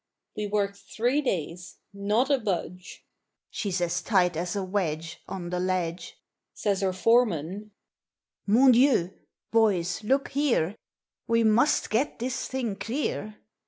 We worked three days not a budge! "She's as tight as a wedge On the ledge," Says our foreman: "Mon Dieu! boys, look here, We must get this thing clear."